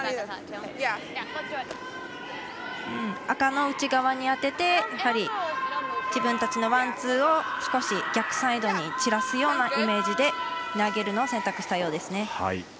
赤の内側に当ててやはり自分たちのワン、ツーを少し逆サイドに散らすようなイメージで投げるのを選択したようですね。